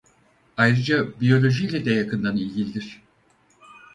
Ayrıca biyolojiyle de yakından ilgilidir.